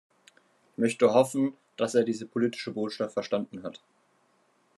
Ich möchte hoffen, dass er diese politische Botschaft verstanden hat.